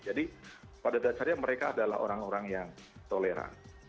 jadi pada dasarnya mereka adalah orang orang yang toleran